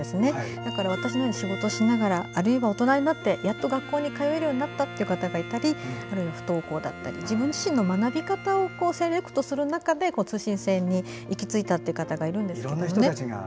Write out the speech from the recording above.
だから私のように仕事をしながらあるいは大人になってやっと学校に通えるようになったという方がいたり不登校だったり、自分自身の学び方をセレクトする中で通信制に行き着いたという方がいるんですね。